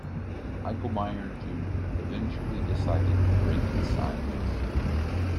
Hilgemeier Junior eventually decided to break his silence.